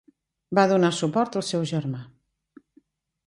Va donar suport al seu germà.